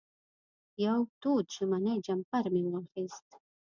یو تود ژمنی جمپر مې واخېست.